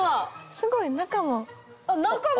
すごい中も。